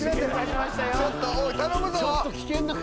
ちょっとおい頼むぞ！